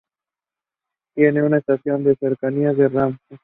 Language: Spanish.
Tiene una estación de Cercanías de Renfe.